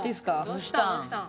どうしたん？